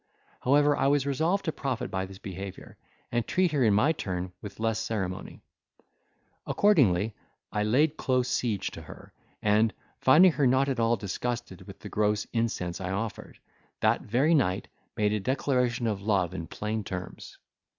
However, I was resolved to profit by this behaviour, and treat her in my turn with less ceremony; accordingly, I laid close siege to her, and, finding her not at all disgusted with the gross incense I offered, that very night made a declaration of love in plain terms.